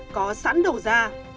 có sẵn đầu ra